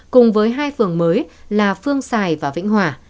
cùng với hai phường mới là phương sài và vĩnh hòa